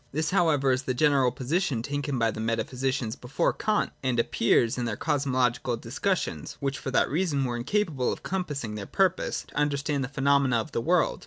This however is the general position taken by the metaphy sicians before Kant, and appears in their cosmological dis cussions, which for that reason were incapable of compassmg their purpose, to understand the phenomena of the world.